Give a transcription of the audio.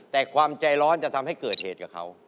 แต่ความใจร้อนจะทำให้เกิดเหตุกับเขา